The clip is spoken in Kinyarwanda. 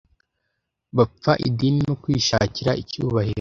bapfa idini no kwishakira icyubahiro